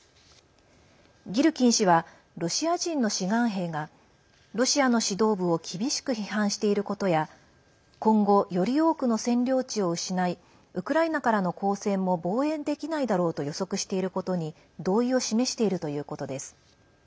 ギルキン氏はロシア人の志願兵がロシアの指導部を厳しく批判していることや今後、より多くの占領地を失いウクライナからの抗戦も防衛できないだろうと予測していることに同意を示しているということです。